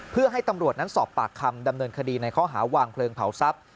เพื่อให้ตำรวจนั้นสอบปากคำดำเนินคดีในข้อหาวางเพลิงเผาทรัพย์